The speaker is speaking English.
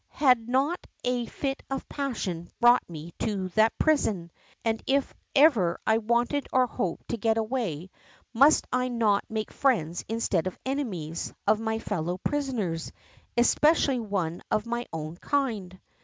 Llad not a fit of passion brought me to that prison ? And if ever I wanted or hoped to get away, must I not make friends instead of enemies of my fellow prisoners, especially one of my own kind